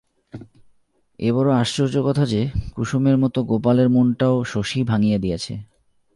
এ বড় আশ্চর্য কথা যে কুসুমের মতো গোপালের মনটাও শশীই ভাঙিয়া দিয়াছে।